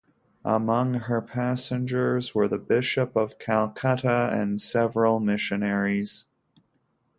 Among her passengers were the Bishop of Calcutta and several missionaries.